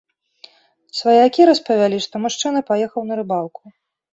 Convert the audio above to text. Сваякі распавялі, што мужчына паехаў на рыбалку.